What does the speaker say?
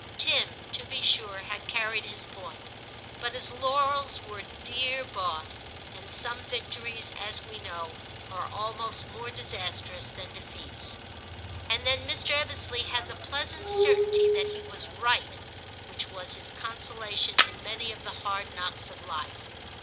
Tim, to be sure, had carried his point, but his laurels were dear bought, and some victories, as we know, are almost more disastrous than defeats ; and then Mr. Ebbesley had the pleasant certainty that he was right, which was his consolation in many of the hard knocks of life.